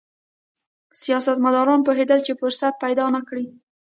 سیاستمداران پوهېدل چې فرصت پیدا نه کړي.